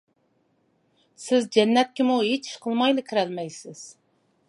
سىز جەننەتكىمۇ ھېچ ئىش قىلمايلا كىرەلمەيسىز.